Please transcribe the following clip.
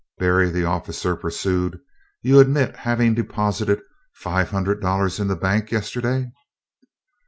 "Berry," the officer pursued, "you admit having deposited five hundred dollars in the bank yesterday?"